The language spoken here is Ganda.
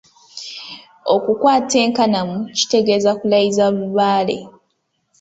Okukwata enkanamu kitegeeza kulayiza lubaale.